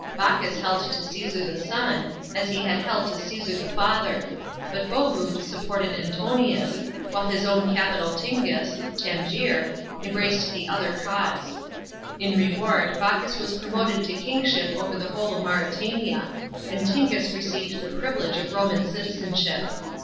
Bocchus held to Caesar the son, as he had held to Caesar the father ; but Bogud supported Antonius, while his own capital Tingis (Tangier) embraced the other cause. In reward, Bocchus was promoted to kingship over the whole of Mauretania ; and Tingis received the privilege of Roman citizenship.